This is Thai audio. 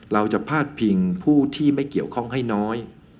เราจะพาดพิงผู้ที่ไม่เกี่ยวข้องให้น้อย